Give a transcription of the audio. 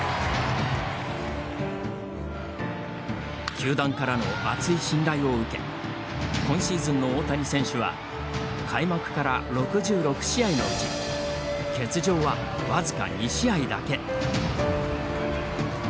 球団からの厚い信頼を受け今シーズンの大谷選手は開幕から６６試合のうち欠場は僅か２試合だけ。